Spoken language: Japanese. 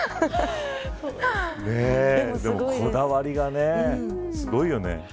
こだわりがすごいよね。